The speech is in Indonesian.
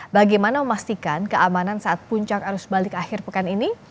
bagaimana memastikan keamanan saat puncak arus balik akhir pekan ini